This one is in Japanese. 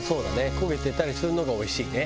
焦げてたりするのがおいしいね。